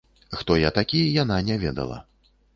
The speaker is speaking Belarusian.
Хто я такі, яна не ведала.